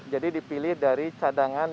jadi dipilih dari cadangan